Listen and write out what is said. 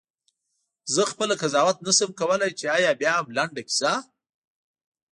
زه خپله قضاوت نه شم کولای چې آیا بیاهم لنډه کیسه؟ …